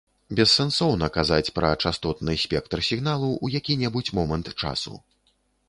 Бессэнсоўна казаць пра частотны спектр сігналу ў які-небудзь момант часу.